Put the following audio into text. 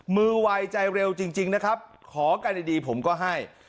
มือวัยใจเร็วจริงจริงนะครับขอการดีดีผมก็ให้